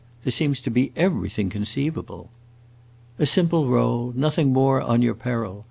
There seems to be everything conceivable." "A simple roll. Nothing more, on your peril.